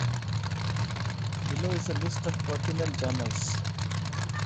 Below is a list of pertinent journals.